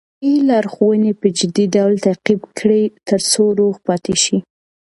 روغتیايي لارښوونې په جدي ډول تعقیب کړئ ترڅو روغ پاتې شئ.